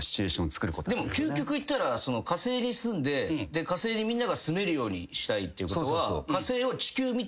でも究極いったら火星に住んで火星にみんなが住めるようにしたいってことは。